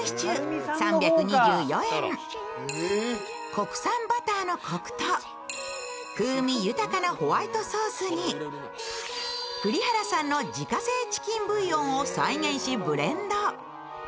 国産バターのこくと風味豊かなホワイトソースに、栗原さんの自家製チキンブイヨンを再現しブレンド。